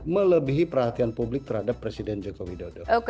melebihi perhatian publik terhadap presiden joko widodo